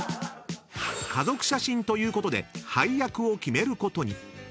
［家族写真ということで配役を決めることに］